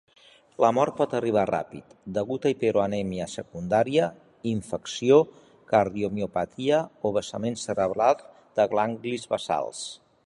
La mort pot arribar ràpid, degut a hiperamonèmia secundària, infecció, cardiomiopatia o vessament cerebral de ganglis basals.